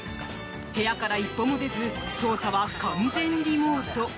部屋から一歩も出ず捜査は完全リモート。